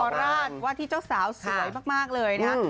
ราชว่าที่เจ้าสาวสวยมากเลยนะฮะ